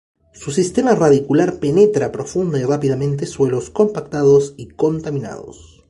Su sistema radicular penetra profunda y rápidamente suelos compactados y contaminados.